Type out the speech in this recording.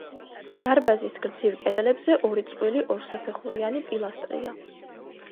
დარბაზის გრძივ კედლებზე ორი წყვილი ორსაფეხურიანი პილასტრია.